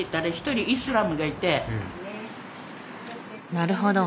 なるほど。